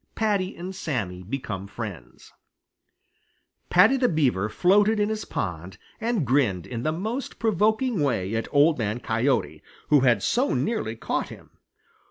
XIX PADDY AND SAMMY JAY BECOME FRIENDS Paddy the Beaver floated in his pond and grinned in the most provoking way at Old Man Coyote, who had so nearly caught him.